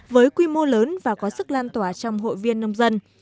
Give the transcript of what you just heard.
với quy mô lớn và có sức lan tỏa trong hội viên nông dân